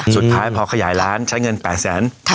สุดท้ายพอขยายร้านใช้เงิน๘๐๐๐๐๐บาท